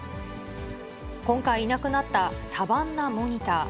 今回いなくなったサバンナモニター。